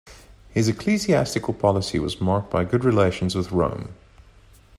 His ecclesiastical policy was marked by good relations with Rome.